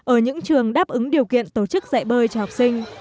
ở những trường đáp ứng điều kiện tổ chức dạy bơi cho học sinh